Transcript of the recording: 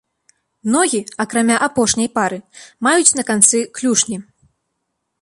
Ногі, акрамя апошняй пары, маюць на канцы клюшні.